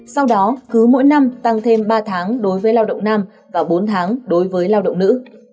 sau đó cứ mỗi năm tăng thêm ba tháng đối với lao động nam và bốn tháng đối với lao động nữ